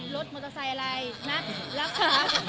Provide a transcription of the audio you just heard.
รถมอเตอร์ไซล์อะไร